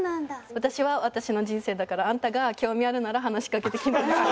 私は私の人生だからあんたが興味あるなら話しかけてきなみたいな。